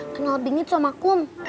kenal dingin somakum